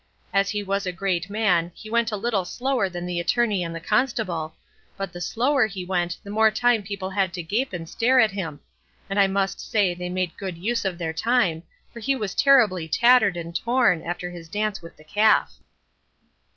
As he was a great man, he went a little slower than the Attorney and the Constable, but the slower he went the more time people had to gape and stare at him; and I must say they made good use of their time, for he was terribly tattered and torn, after his dance with the calf.